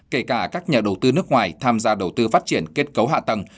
kể cả các nhà đầu tư nước ngoài tham gia đầu tư phát triển kết cấu hạ tầng